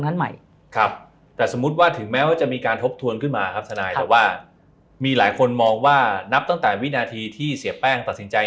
นั้นใหม่ครับแต่สมมุติว่าถึงแม้ว่าจะมีการทบทวนขึ้นมาครับทนายแต่ว่ามีหลายคนมองว่านับตั้งแต่วินาทีที่เสียแป้งตัดสินใจ